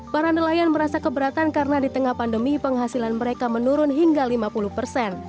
para nelayan merasa keberatan karena di tengah pandemi penghasilan mereka menurun hingga lima puluh persen